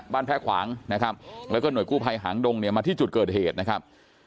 บ้านแพ้ขวางนะครับแล้วก็หน่วยกู้ภัยหางดงมาที่จุดเกิดเหตุนะครับ